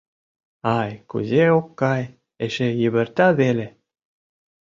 Ай, кузе ок кай, эше йывырта веле!»